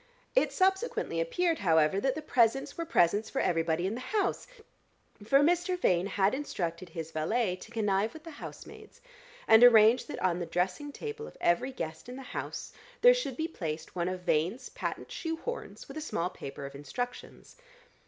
It subsequently appeared, however, that the presents were presents for everybody in the house, for Mr. Vane had instructed his valet to connive with the housemaids and arrange that on the dressing table of every guest in the house there should be placed one of Vane's patent shoe horns with a small paper of instructions.